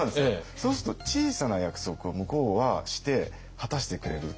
そうすると「小さな約束」を向こうはして果たしてくれる。